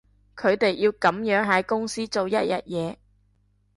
佢哋要噉樣喺公司做一日嘢